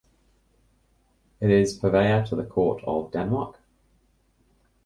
It is Purveyor to the Court of Denmark.